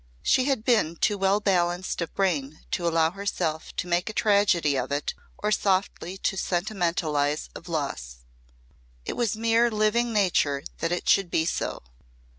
She had been too well balanced of brain to allow herself to make a tragedy of it or softly to sentimentalise of loss. It was mere living nature that it should be so.